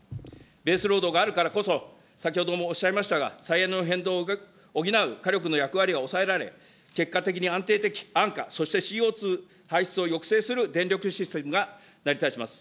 ベースロードがあるからこそ、先ほどもおっしゃいましたが、再エネの変動を補う火力の役割はおさえられ、結果的に安定的、安価、そしてＣＯ２排出を抑制する電力システムが成り立ちます。